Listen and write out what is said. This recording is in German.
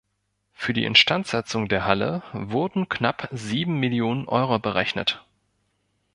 Für die Instandsetzung der Halle wurden knapp sieben Millionen Euro berechnet.